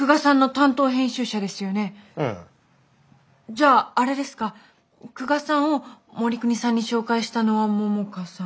じゃああれですか久我さんを護国さんに紹介したのは桃香さん。